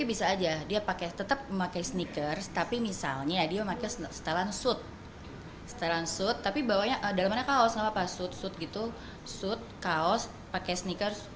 lebih kelihatan tetap muda tapi stylisnya juga ada dan sopan